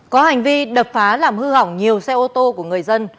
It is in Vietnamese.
có hành vi đập phá làm hư hỏng nhiều xe ô tô của người dân